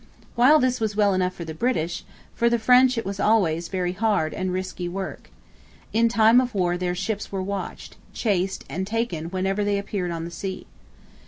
While this was well enough for the British, for the French it was always very hard and risky work. In time of war their ships were watched, chased and taken whenever they appeared on the sea.